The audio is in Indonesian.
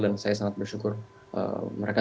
dan saya sangat bersyukur mereka